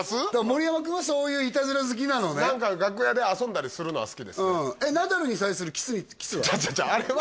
盛山君はそういうイタズラ好きなのね何か楽屋で遊んだりするのは好きですねナダルに対するキスは？